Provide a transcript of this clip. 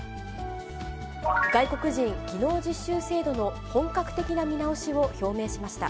外国人技能実習制度の本格的な見直しを表明しました。